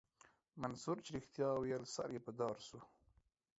منصور چې رښتيا ويل سر يې په دار سو.